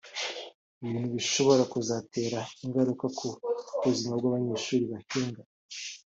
ibintu bishobora kuzatera ingaruka ku buzima bw’abanyeshuri bahiga